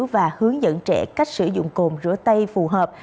và hướng dẫn trẻ cách sử dụng cồn rửa tay phù hợp